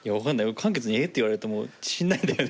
漢傑に「えっ？」って言われると自信ないんだよね。